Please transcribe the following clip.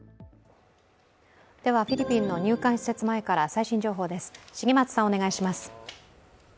ではフィリピンの入管施設前から最新情報です。